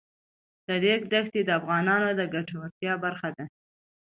د ریګ دښتې د افغانانو د ګټورتیا برخه ده.